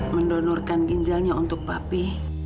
mendonorkan ginjalnya untuk papi